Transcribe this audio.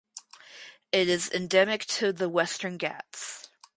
It is endemic to the Western Ghats.